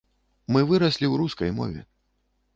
Мы выраслі ў рускай мове.